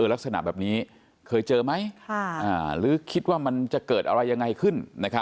ลักษณะแบบนี้เคยเจอไหมหรือคิดว่ามันจะเกิดอะไรยังไงขึ้น